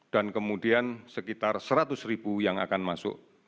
dan kemudian sekitar seratus yang akan masuk